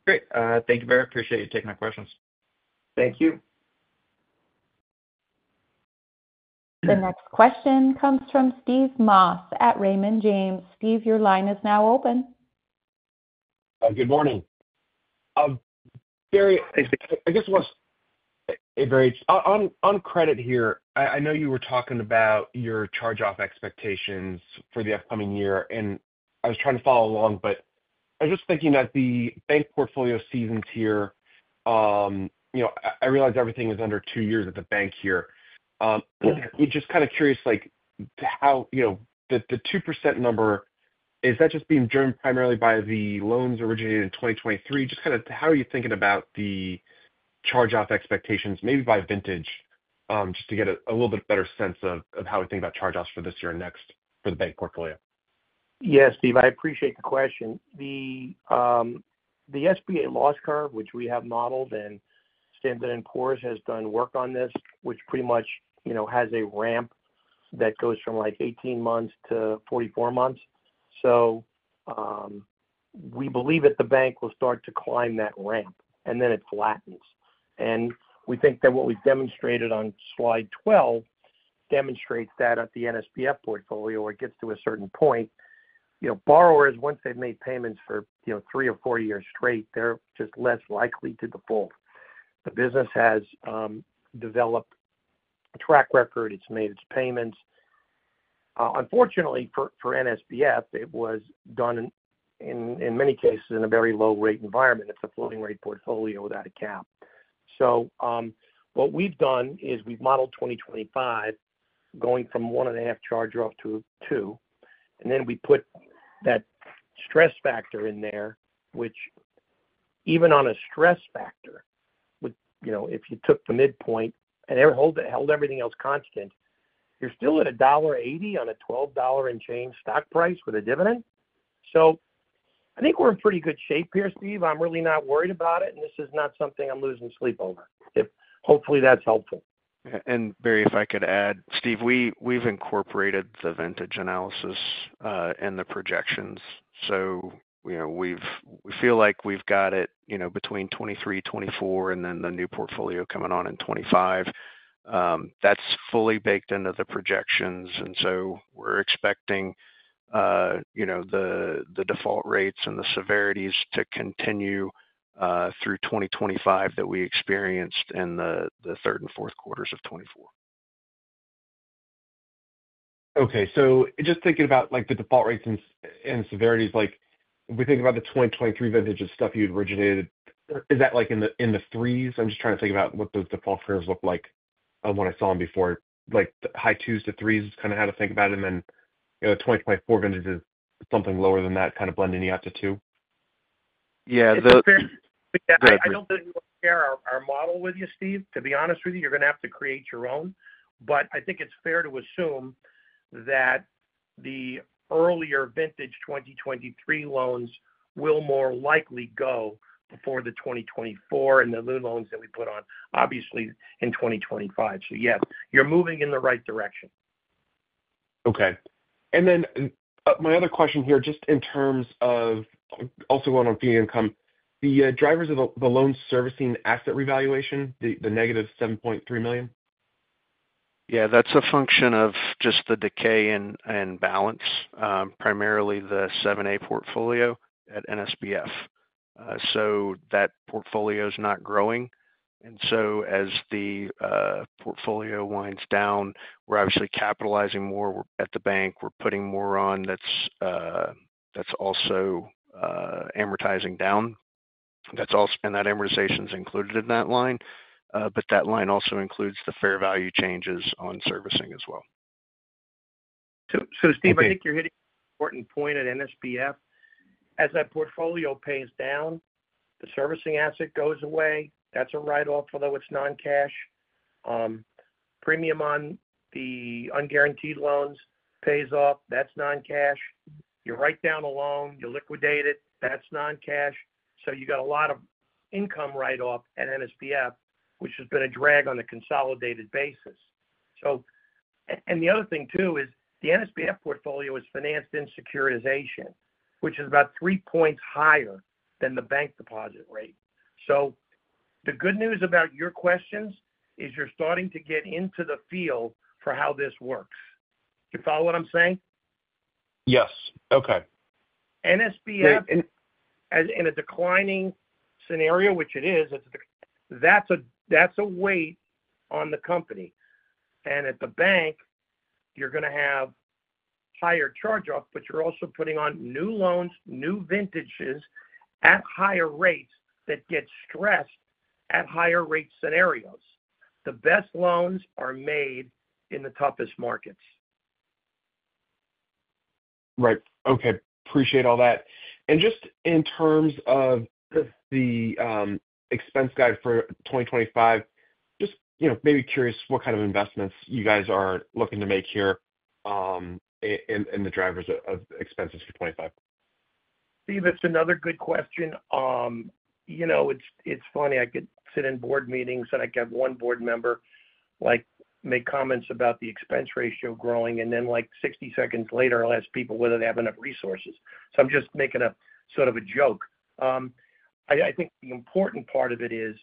Great. Thank you, Barry. Appreciate you taking my questions. Thank you. The next question comes from Steve Moss at Raymond James. Steve, your line is now open. Good morning. Barry, I guess it was a very strong on credit here. I know you were talking about your charge-off expectations for the upcoming year, and I was trying to follow along, but I was just thinking that the bank portfolio has seasoned here, I realize everything is under two years at the bank here. Just kind of curious how the 2% number, is that just being driven primarily by the loans originated in 2023? Just kind of how are you thinking about the charge-off expectations, maybe by vintage, just to get a little bit better sense of how we think about charge-offs for this year and next for the bank portfolio? Yes, Steve, I appreciate the question. The SBA loss curve, which we have modeled and S&P has done work on this, which pretty much has a ramp that goes from like 18 months to 44 months. So we believe that the bank will start to climb that ramp, and then it flattens. And we think that what we've demonstrated on slide 12 demonstrates that at the NSBF portfolio, it gets to a certain point. Borrowers, once they've made payments for three or four years straight, they're just less likely to default. The business has developed a track record. It's made its payments. Unfortunately, for NSBF, it was done in many cases in a very low-rate environment. It's a floating-rate portfolio without a cap. So what we've done is we've modeled 2025 going from 1.5 charge-off to 2, and then we put that stress factor in there, which even on a stress factor, if you took the midpoint and held everything else constant, you're still at $1.80 on a $12 and change stock price with a dividend. So I think we're in pretty good shape here, Steve. I'm really not worried about it, and this is not something I'm losing sleep over. Hopefully, that's helpful. Barry, if I could add, Steve, we've incorporated the vintage analysis and the projections. So we feel like we've got it between 2023, 2024, and then the new portfolio coming on in 2025. That's fully baked into the projections. And so we're expecting the default rates and the severities to continue through 2025 that we experienced in the third and Q4s of 2024. Okay. So just thinking about the default rates and severities, if we think about the 2023 vintage of stuff you originated, is that in the threes? I'm just trying to think about what those default curves look like when I saw them before. High twos to threes is kind of how to think about it. And then the 2024 vintage is something lower than that, kind of blending you out to two. Yeah. It's fair. I don't think we'll share our model with you, Steve. To be honest with you, you're going to have to create your own. But I think it's fair to assume that the earlier vintage 2023 loans will more likely go before the 2024 and the new loans that we put on, obviously, in 2025. So yes, you're moving in the right direction. Okay. And then my other question here, just in terms of also going on fee income, the drivers of the loan servicing asset revaluation, the negative $7.3 million? Yeah, that's a function of just the decay in balance, primarily the 7(a) portfolio at NSBF. So that portfolio is not growing. And so as the portfolio winds down, we're obviously capitalizing more at the bank. We're putting more on that's also amortizing down. And that amortization is included in that line. But that line also includes the fair value changes on servicing as well. So Steve, I think you're hitting an important point at NSBF. As that portfolio pays down, the servicing asset goes away. That's a write-off, although it's non-cash. Premium on the unguaranteed loans pays off. That's non-cash. You write down a loan, you liquidate it. That's non-cash. So you got a lot of income write-off at NSBF, which has been a drag on a consolidated basis. And the other thing too is the NSBF portfolio is financed in securitization, which is about three points higher than the bank deposit rate. So the good news about your questions is you're starting to get into the field for how this works. You follow what I'm saying? Yes. Okay. NSBF, in a declining scenario, which it is, that's a weight on the company. And at the bank, you're going to have higher charge-off, but you're also putting on new loans, new vintages at higher rates that get stressed at higher rate scenarios. The best loans are made in the toughest markets. Right. Okay. Appreciate all that, and just in terms of the expense guide for 2025, just maybe curious what kind of investments you guys are looking to make here in the drivers of expenses for 2025. Steve, that's another good question. It's funny. I could sit in board meetings, and I could have one board member make comments about the expense ratio growing, and then 60 seconds later, I'll ask people whether they have enough resources, so I'm just making a sort of a joke. I think the important part of it is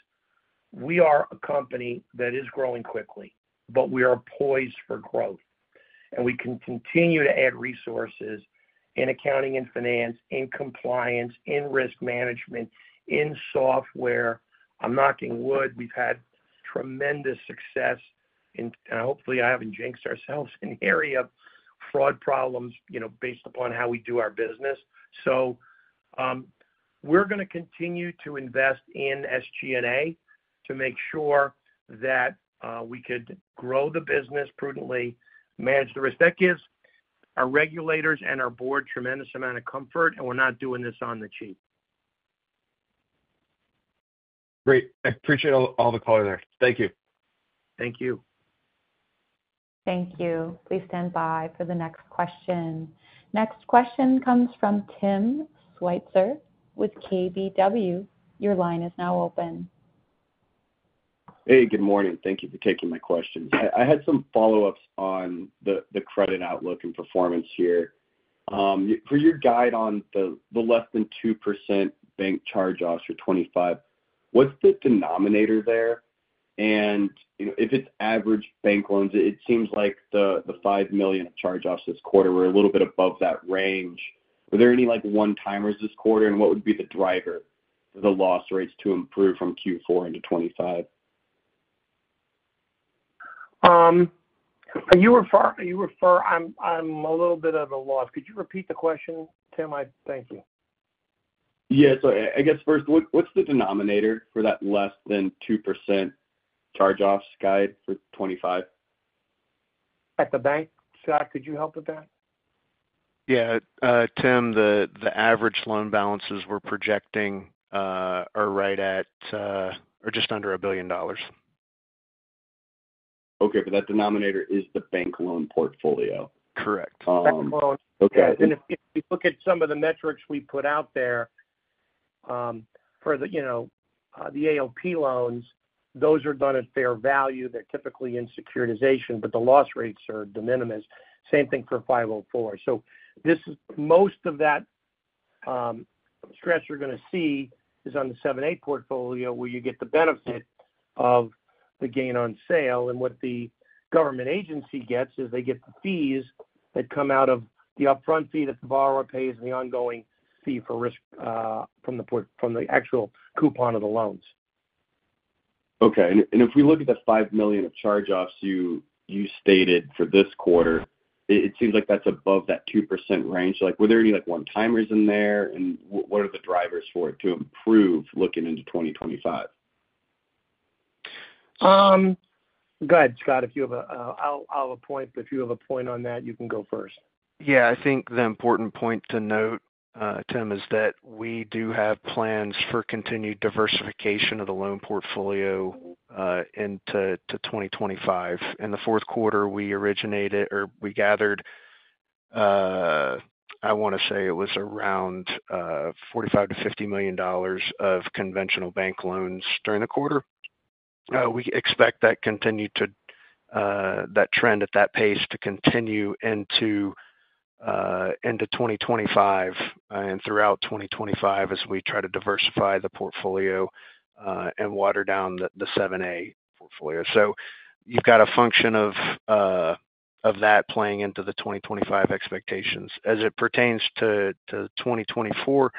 we are a company that is growing quickly, but we are poised for growth, and we can continue to add resources in accounting and finance, in compliance, in risk management, in software. I'm knocking wood. We've had tremendous success in, and hopefully, I haven't jinxed ourselves in area of fraud problems based upon how we do our business. So we're going to continue to invest in SG&A to make sure that we could grow the business prudently, manage the risk. That gives our regulators and our board tremendous amount of comfort, and we're not doing this on the cheap. Great. I appreciate all the calls there. Thank you. Thank you. Thank you. Please stand by for the next question. Next question comes from Tim Switzer with KBW. Your line is now open. Hey, good morning. Thank you for taking my questions. I had some follow-ups on the credit outlook and performance here. For your guide on the less than 2% bank charge-offs for 2025, what's the denominator there? If it's average bank loans, it seems like the $5 million charge-offs this quarter were a little bit above that range. Were there any one-timers this quarter, and what would be the driver for the loss rates to improve from Q4 into 2025? Are you referring to? I'm a little bit at a loss. Could you repeat the question, Tim? Thank you. Yeah. So I guess first, what's the denominator for that less than 2% charge-offs guide for 2025? At the bank? Scott, could you help with that? Yeah. Tim, the average loan balances we're projecting are right at or just under $1 billion. Okay. But that denominator is the bank loan portfolio. Correct. Bank loan. If you look at some of the metrics we put out there for the ALP loans, those are done at fair value. They're typically in securitization, but the loss rates are de minimis. Same thing for 504. So most of that stress you're going to see is on the 7(a) portfolio, where you get the benefit of the gain on sale. And what the government agency gets is they get the fees that come out of the upfront fee that the borrower pays and the ongoing fee for risk from the actual coupon of the loans. Okay. And if we look at the $5 million of charge-offs you stated for this quarter, it seems like that's above that 2% range. Were there any one-timers in there, and what are the drivers for it to improve looking into 2025? Go ahead, Scott. If you have a point on that, you can go first. Yeah. I think the important point to note, Tim, is that we do have plans for continued diversification of the loan portfolio into 2025. In the Q4, we originated or we gathered. I want to say it was around $45-$50 million of conventional bank loans during the quarter. We expect that trend at that pace to continue into 2025 and throughout 2025 as we try to diversify the portfolio and water down the 7(a) portfolio. So you've got a function of that playing into the 2025 expectations. As it pertains to 2024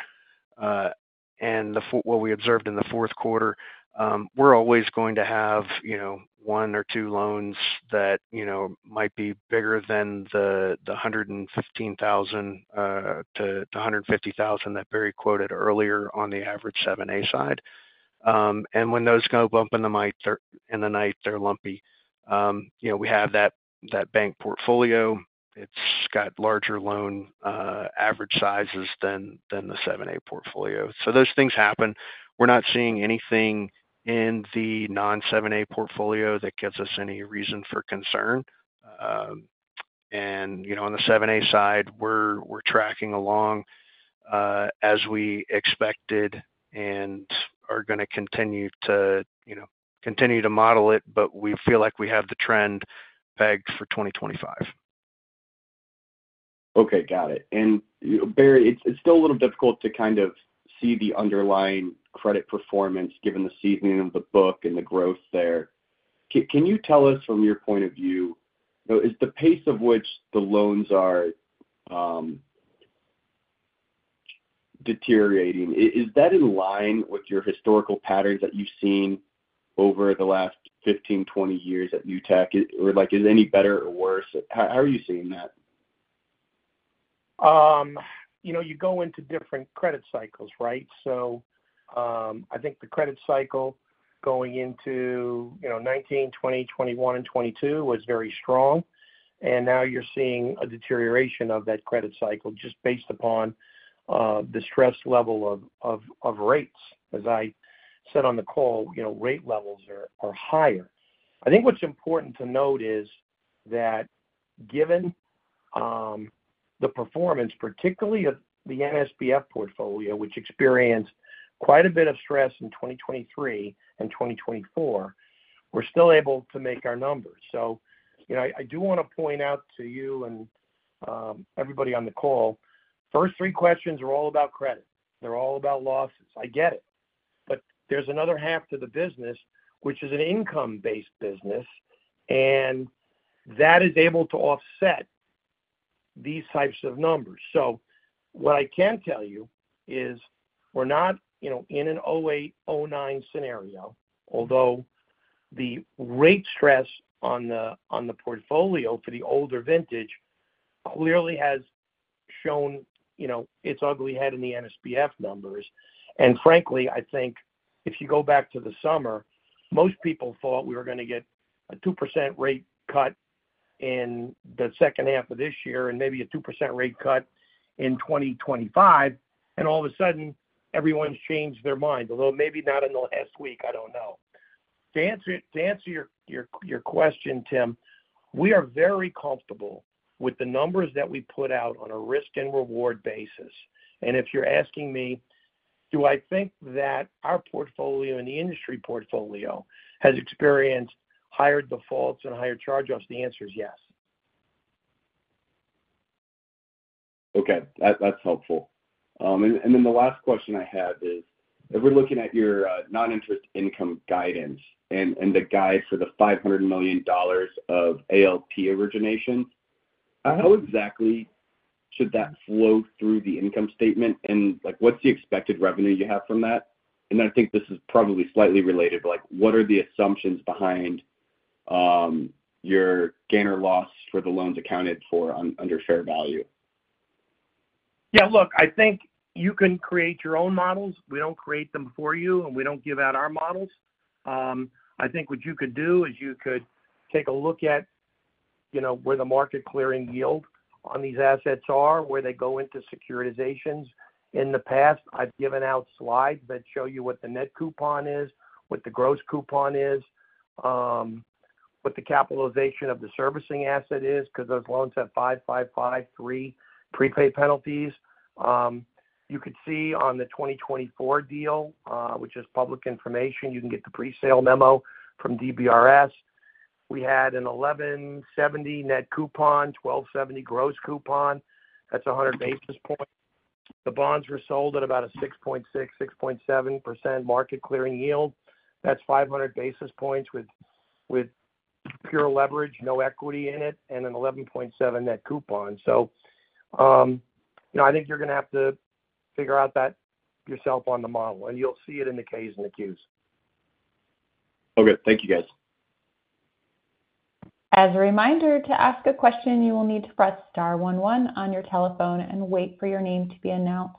and what we observed in the Q4, we're always going to have one or two loans that might be bigger than the $115,000-$150,000 that Barry quoted earlier on the average 7(a) side, and when those go bump in the night, they're lumpy. We have that bank portfolio. It's got larger loan average sizes than the 7(a) portfolio, so those things happen. We're not seeing anything in the non-7(a) portfolio that gives us any reason for concern, and on the 7(a) side, we're tracking along as we expected and are going to continue to model it, but we feel like we have the trend pegged for 2025. Okay. Got it, Barry. It's still a little difficult to kind of see the underlying credit performance given the seasoning of the book and the growth there. Can you tell us from your point of view, is the pace of which the loans are deteriorating, is that in line with your historical patterns that you've seen over the last 15, 20 years at Newtek, or is it any better or worse? How are you seeing that? You go into different credit cycles, right? I think the credit cycle going into 2019, 2020, 2021, and 2022 was very strong. And now you're seeing a deterioration of that credit cycle just based upon the stress level of rates. As I said on the call, rate levels are higher. I think what's important to note is that given the performance, particularly of the NSBF portfolio, which experienced quite a bit of stress in 2023 and 2024, we're still able to make our numbers. I do want to point out to you and everybody on the call, first three questions are all about credit. They're all about losses. I get it. But there's another half to the business, which is an income-based business, and that is able to offset these types of numbers. So what I can tell you is we're not in a 2008, 2009 scenario, although the rate stress on the portfolio for the older vintage clearly has shown its ugly head in the NSBF numbers. And frankly, I think if you go back to the summer, most people thought we were going to get a 2% rate cut in the second half of this year and maybe a 2% rate cut in 2025. And all of a sudden, everyone's changed their mind, although maybe not in the last week. I don't know. To answer your question, Tim, we are very comfortable with the numbers that we put out on a risk and reward basis. And if you're asking me, do I think that our portfolio and the industry portfolio has experienced higher defaults and higher charge-offs, the answer is yes. Okay. That's helpful. And then the last question I have is, if we're looking at your non-interest income guidance and the guide for the $500 million of ALP origination, how exactly should that flow through the income statement? And what's the expected revenue you have from that? And I think this is probably slightly related, but what are the assumptions behind your gain or loss for the loans accounted for under fair value? Yeah. Look, I think you can create your own models. We don't create them for you, and we don't give out our models. I think what you could do is you could take a look at where the market clearing yield on these assets are, where they go into securitizations. In the past, I've given out slides that show you what the net coupon is, what the gross coupon is, what the capitalization of the servicing asset is, because those loans have 5, 5, 5, 3 prepayment penalties. You could see on the 2024 deal, which is public information. You can get the presale memo from DBRS. We had an 11.70 net coupon, 12.70 gross coupon. That's 100 basis points. The bonds were sold at about a 6.6-6.7% market clearing yield. That's 500 basis points with pure leverage, no equity in it, and an 11.7 net coupon. I think you're going to have to figure out that yourself on the model, and you'll see it in the Ks and the Qs. Okay. Thank you, guys. As a reminder, to ask a question, you will need to press star 11 on your telephone and wait for your name to be announced.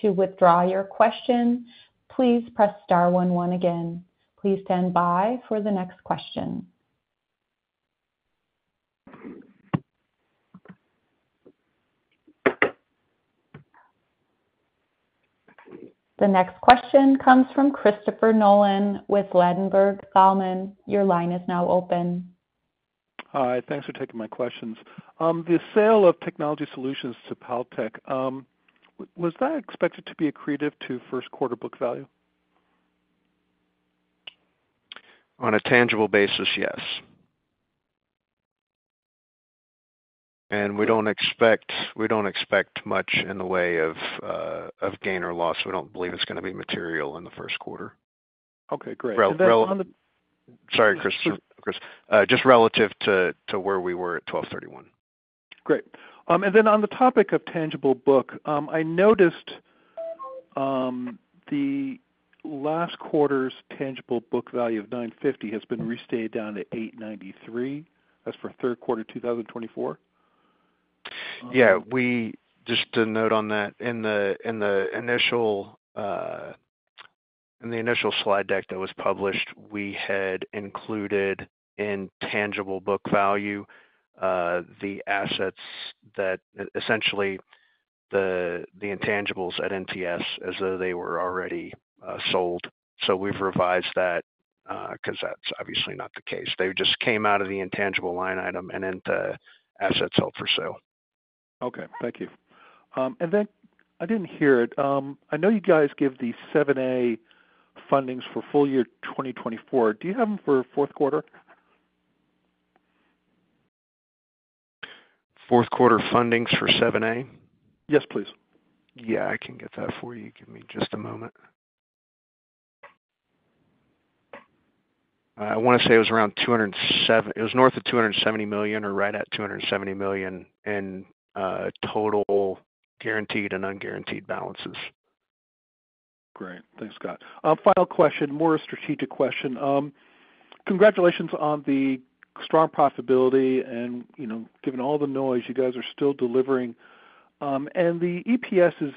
To withdraw your question, please press star 11 again. Please stand by for the next question. The next question comes from Christopher Nolan with Ladenburg Thalmann. Your line is now open. Hi. Thanks for taking my questions. The sale of technology solutions to Paltalk, was that expected to be accretive to Q1 book value? On a tangible basis, yes. And we don't expect much in the way of gain or loss. We don't believe it's going to be material in the Q1. Okay. Great. Sorry, Chris. Just relative to where we were at 12/31. Great. And then on the topic of tangible book, I noticed the last quarter's tangible book value of 950 has been restated down to 893. That's for third quarter 2024. Yeah. Just a note on that. In the initial slide deck that was published, we had included in tangible book value the assets that essentially the intangibles at NTS as though they were already sold. So we've revised that because that's obviously not the case. They just came out of the intangible line item and into assets held for sale. Okay. Thank you. And then I didn't hear it. I know you guys give the 7(a) fundings for full year 2024. Do you have them for Q4? Q4 fundings for 7(a)? Yes, please. Yeah. I can get that for you. Give me just a moment. I want to say it was around $270 million. It was north of $270 million or right at $270 million in total guaranteed and unguaranteed balances. Great. Thanks, Scott. Final question, more strategic question. Congratulations on the strong profitability, and given all the noise, you guys are still delivering. And the EPS is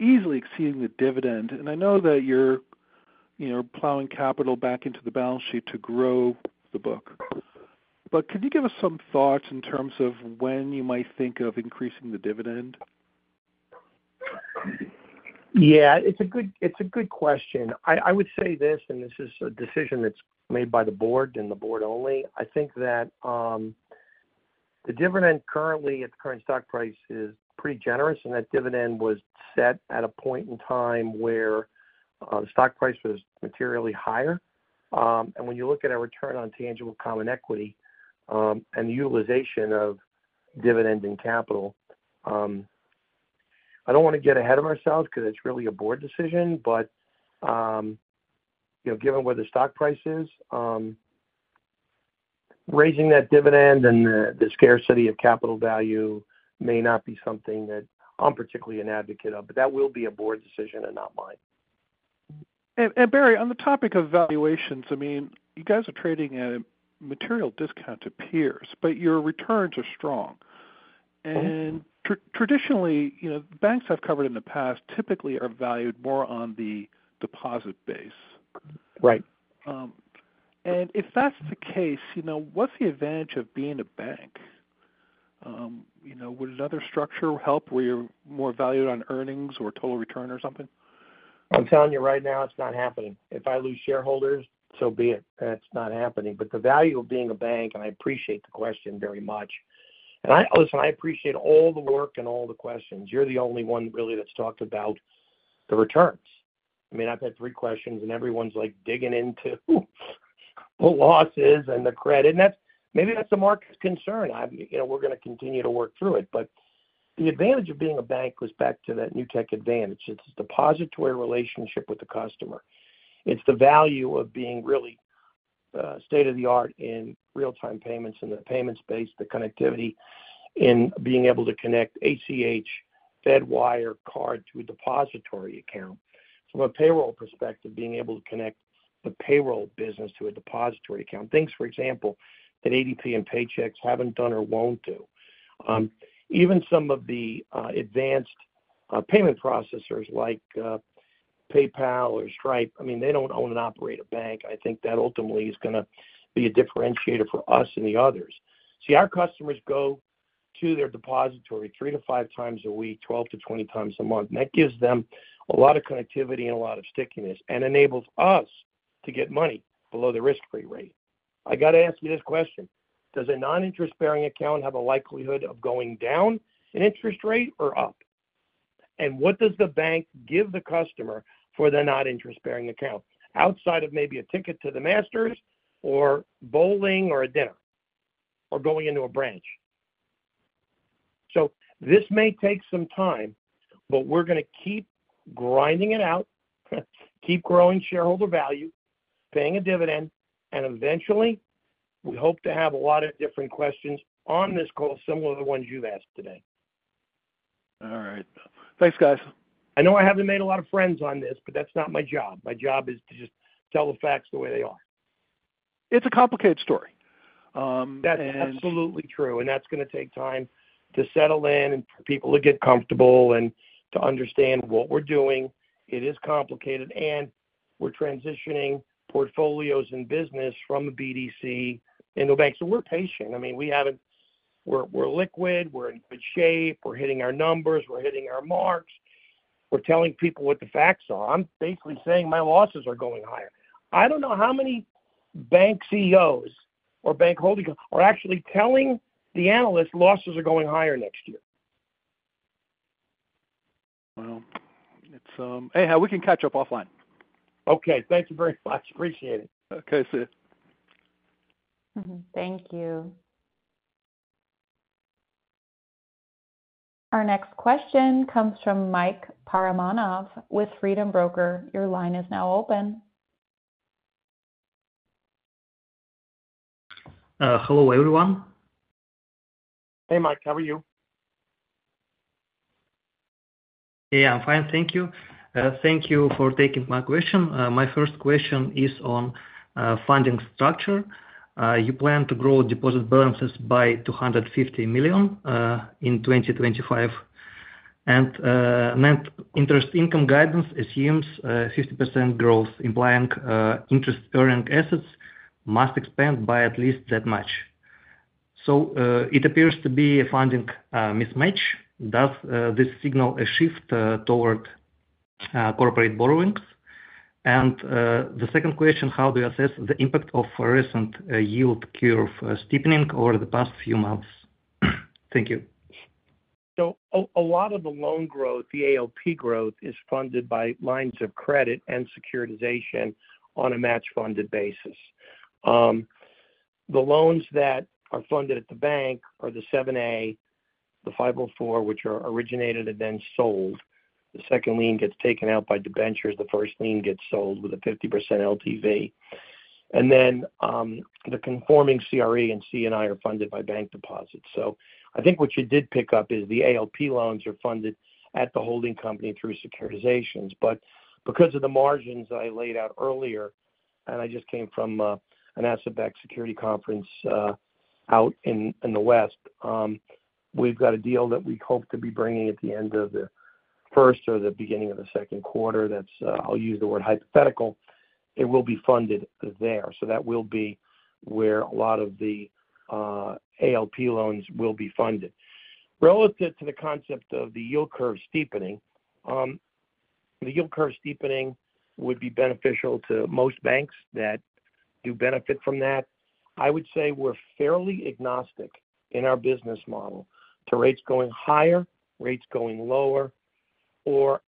easily exceeding the dividend. And I know that you're plowing capital back into the balance sheet to grow the book. But could you give us some thoughts in terms of when you might think of increasing the dividend? Yeah. It's a good question. I would say this, and this is a decision that's made by the board and the board only. I think that the dividend currently at the current stock price is pretty generous, and that dividend was set at a point in time where the stock price was materially higher. And when you look at a return on tangible common equity and the utilization of dividend and capital, I don't want to get ahead of ourselves because it's really a board decision. But given where the stock price is, raising that dividend and the scarcity of capital value may not be something that I'm particularly an advocate of, but that will be a board decision and not mine. And Barry, on the topic of valuations, I mean, you guys are trading at a material discount to peers, but your returns are strong. And traditionally, banks I've covered in the past typically are valued more on the deposit base. Right. And if that's the case, what's the advantage of being a bank? Would another structure help where you're more valued on earnings or total return or something? I'm telling you right now, it's not happening. If I lose shareholders, so be it. That's not happening. But the value of being a bank, and I appreciate the question very much. And listen, I appreciate all the work and all the questions. You're the only one really that's talked about the returns. I mean, I've had three questions, and everyone's digging into the losses and the credit. And maybe that's the market's concern. We're going to continue to work through it. But the advantage of being a bank goes back to that Newtek Advantage. It's the depository relationship with the customer. It's the value of being really state of the art in real-time payments in the payment space, the connectivity in being able to connect ACH, Fedwire, card to a depository account. From a payroll perspective, being able to connect the payroll business to a depository account. Things, for example, that ADP and Paychex haven't done or won't do. Even some of the advanced payment processors like PayPal or Stripe, I mean, they don't own and operate a bank. I think that ultimately is going to be a differentiator for us and the others. See, our customers go to their depository three to five times a week, 12 to 20 times a month, and that gives them a lot of connectivity and a lot of stickiness and enables us to get money below the risk-free rate. I got to ask you this question. Does a non-interest-bearing account have a likelihood of going down in interest rate or up? And what does the bank give the customer for the non-interest-bearing account outside of maybe a ticket to the Masters or bowling or a dinner or going into a branch? So this may take some time, but we're going to keep grinding it out, keep growing shareholder value, paying a dividend, and eventually, we hope to have a lot of different questions on this call, similar to the ones you've asked today. All right. Thanks, guys. I know I haven't made a lot of friends on this, but that's not my job. My job is to just tell the facts the way they are. It's a complicated story. That's absolutely true. And that's going to take time to settle in and for people to get comfortable and to understand what we're doing. It is complicated. And we're transitioning portfolios and business from a BDC into a bank. So we're patient. I mean, we're liquid. We're in good shape. We're hitting our numbers. We're hitting our marks. We're telling people what the facts are. I'm basically saying my losses are going higher. I don't know how many bank CEOs or bank holdings are actually telling the analysts losses are going higher next year. Wow. Hey, we can catch up offline. Okay. Thank you very much. Appreciate it. Okay. See you. Thank you. Our next question comes from Mike Paramanov with Freedom Broker. Your line is now open. Hello, everyone. Hey, Mike. How are you? Yeah. I'm fine. Thank you. Thank you for taking my question. My first question is on funding structure. You plan to grow deposit balances by $250 million in 2025. And net interest income guidance assumes 50% growth, implying interest-bearing assets must expand by at least that much. So it appears to be a funding mismatch. Does this signal a shift toward corporate borrowings? The second question, how do you assess the impact of recent yield curve steepening over the past few months? Thank you. A lot of the loan growth, the ALP growth, is funded by lines of credit and securitization on a match-funded basis. The loans that are funded at the bank are the 7(a), the 504, which are originated and then sold. The second lien gets taken out by the bankers. The first lien gets sold with a 50% LTV. The conforming CRE and CNI are funded by bank deposits. I think what you did pick up is the ALP loans are funded at the holding company through securitizations. But because of the margins I laid out earlier, and I just came from an ISC West security conference out in the west, we've got a deal that we hope to be bringing at the end of the first or the beginning of the Q2. I'll use the word hypothetical. It will be funded there. So that will be where a lot of the ALP loans will be funded. Relative to the concept of the yield curve steepening, the yield curve steepening would be beneficial to most banks that do benefit from that. I would say we're fairly agnostic in our business model to rates going higher, rates going lower, or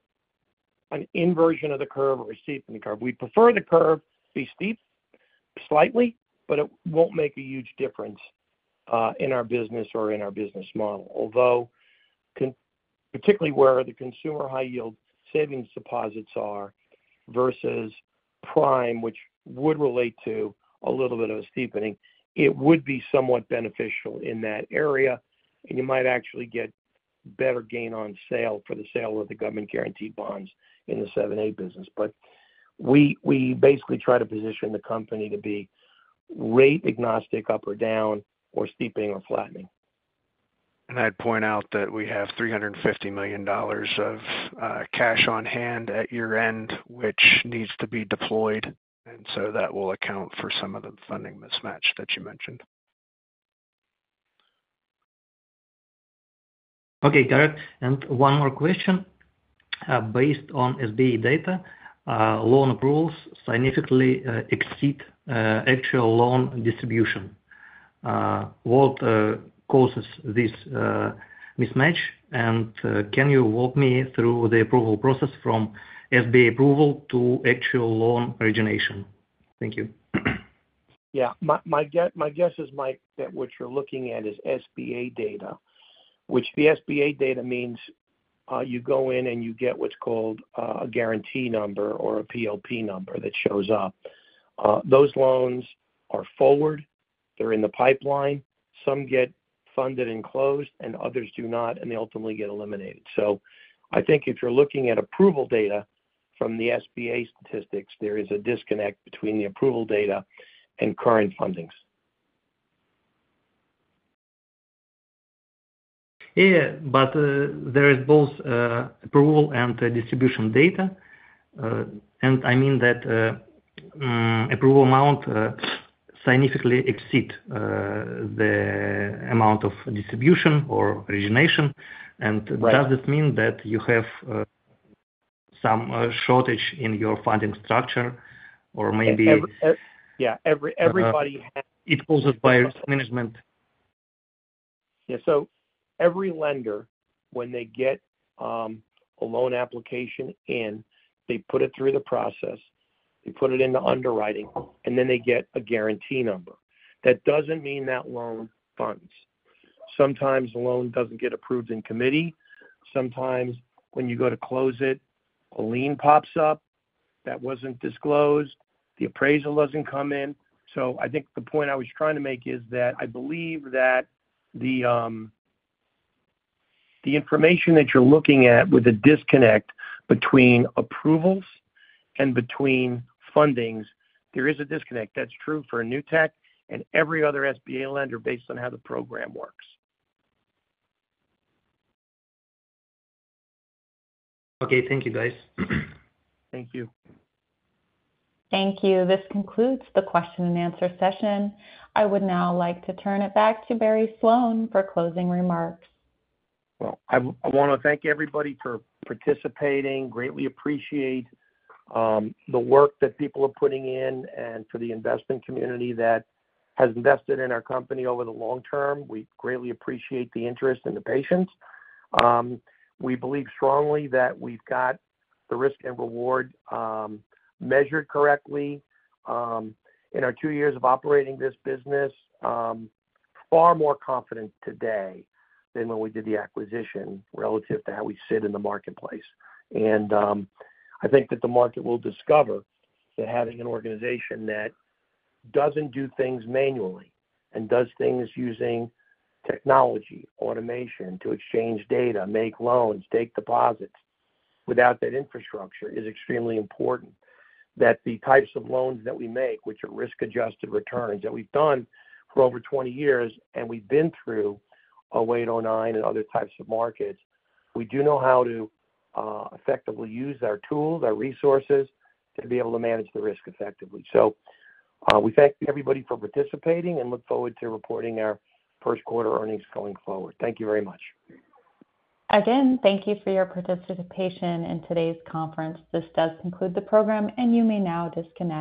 an inversion of the curve or a steepening curve. We prefer the curve be steep slightly, but it won't make a huge difference in our business or in our business model. Although, particularly where the consumer high-yield savings deposits are versus prime, which would relate to a little bit of a steepening, it would be somewhat beneficial in that area. And you might actually get better gain on sale for the sale of the government-guaranteed bonds in the 7(a) business. But we basically try to position the company to be rate-agnostic, up or down, or steepening or flattening. And I'd point out that we have $350 million of cash on hand at year-end, which needs to be deployed. And so that will account for some of the funding mismatch that you mentioned. Okay. Got it. And one more question. Based on SBA data, loan approvals significantly exceed actual loan distribution. What causes this mismatch? And can you walk me through the approval process from SBA approval to actual loan origination? Thank you. Yeah. My guess is, Mike, that what you're looking at is SBA data, which the SBA data means you go in and you get what's called a guarantee number or a PLP number that shows up. Those loans are forward. They're in the pipeline. Some get funded and closed, and others do not, and they ultimately get eliminated. So I think if you're looking at approval data from the SBA statistics, there is a disconnect between the approval data and current fundings. Yeah. But there is both approval and distribution data. And I mean that approval amount significantly exceeds the amount of distribution or origination. And does this mean that you have some shortage in your funding structure or maybe? Yeah. Everybody has. It's caused by risk management. Yeah. So every lender, when they get a loan application in, they put it through the process. They put it into underwriting, and then they get a guarantee number. That doesn't mean that loan funds. Sometimes the loan doesn't get approved in committee. Sometimes when you go to close it, a lien pops up that wasn't disclosed. The appraisal doesn't come in. So I think the point I was trying to make is that I believe that the information that you're looking at with the disconnect between approvals and between fundings, there is a disconnect. That's true for Newtek and every other SBA lender based on how the program works. Okay. Thank you, guys. Thank you. Thank you. This concludes the question-and-answer session. I would now like to turn it back to Barry Sloane for closing remarks. I want to thank everybody for participating. Greatly appreciate the work that people are putting in and for the investment community that has invested in our company over the long term. We greatly appreciate the interest and the patience. We believe strongly that we've got the risk and reward measured correctly. In our two years of operating this business, far more confident today than when we did the acquisition relative to how we sit in the marketplace, and I think that the market will discover that having an organization that doesn't do things manually and does things using technology, automation to exchange data, make loans, take deposits without that infrastructure is extremely important. That the types of loans that we make, which are risk-adjusted returns that we've done for over 20 years, and we've been through 2008-2009 and other types of markets, we do know how to effectively use our tools, our resources to be able to manage the risk effectively. So we thank everybody for participating and look forward to reporting our first-quarter earnings going forward. Thank you very much. Again, thank you for your participation in today's conference. This does conclude the program, and you may now disconnect.